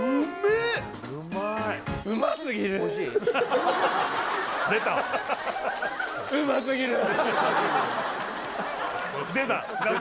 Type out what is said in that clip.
うますぎる？